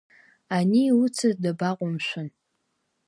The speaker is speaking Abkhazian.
Ани иуцыз дабаҟоу, мшәан.